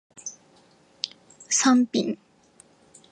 サンピン